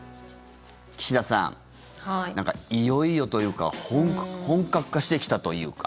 岸田さん、いよいよというか本格化してきたというか。